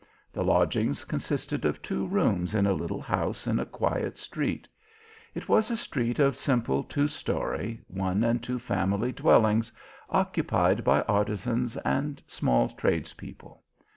The lodgings consisted of two rooms in a little house in a quiet street. It was a street of simple two story, one and two family dwellings, occupied by artisans and small tradespeople.